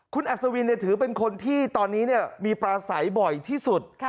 คุณอัศวินถือเป็นคนที่ตอนนี้มีปลาใสบ่อยที่สุด